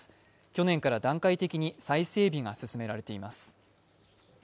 去年から段階的に再整備が進められています。